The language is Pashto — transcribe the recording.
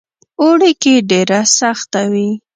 اوړي کې ډېره سخته وي.